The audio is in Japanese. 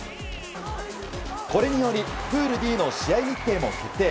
これによりプールＤの試合日程も決定。